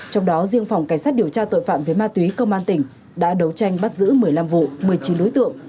trong đó riêng phòng cảnh sát điều tra tội phạm về ma túy công an tỉnh đã đấu tranh bắt giữ một mươi năm vụ một mươi chín đối tượng